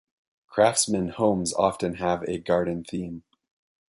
Craftsman homes often have a garden theme.